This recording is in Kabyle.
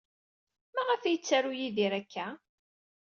Maɣef ay yettaru Yidir akka?